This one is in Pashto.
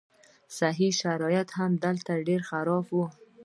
صحي شرایط به هم هلته ډېر خراب وو.